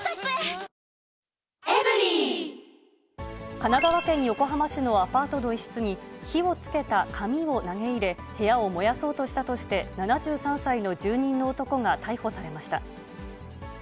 神奈川県横浜市のアパートの一室に、火をつけた紙を投げ入れ、部屋を燃やそうとしたとして、７３歳の住人の男が逮捕されました。